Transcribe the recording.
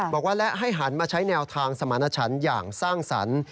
บอกว่าและให้หันมาใช้แนวทางสมาณชันอย่างสร้างสรรค์